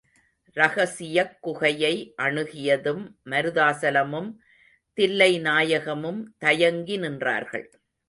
ரகசியக் குகையை அணுகியதும் மருதாசலமும் தில்லை நாயகமும் தயங்கி நின்றார்கள்.